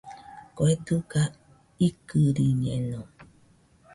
Kue dɨga ikɨriñeno.